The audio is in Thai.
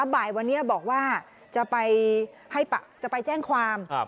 บ่ายวันนี้บอกว่าจะไปแจ้งความ